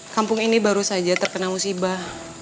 kampung ini baru saja terkena musibah